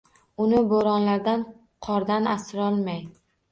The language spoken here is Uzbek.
Uni bo’ronlardan, qordan asrolmay